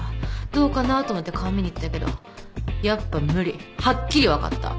どうかな？と思って顔見にいったけどやっぱ無理はっきりわかった。